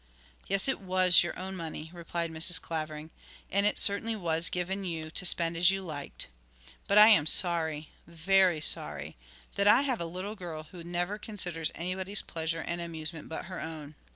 'Yes it was your own money,' replied Mrs. Clavering, 'and it certainly was given you to spend as you liked. But I am sorry, very sorry, that I have a little girl who never considers anybody's pleasure and amusement but her own.'